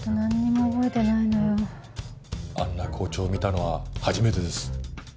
あんな校長見たのは初めてです。